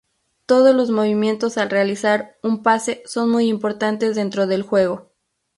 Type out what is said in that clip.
Todos los movimientos al realizar un pase son muy importantes dentro del juego.